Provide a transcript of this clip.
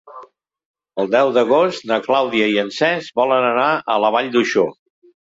El deu d'agost na Clàudia i en Cesc volen anar a la Vall d'Uixó.